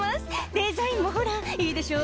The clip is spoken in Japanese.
「デザインもほらいいでしょ？